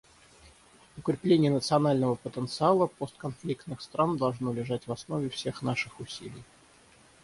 Укрепление национального потенциала постконфликтных стран должно лежать в основе всех наших усилий.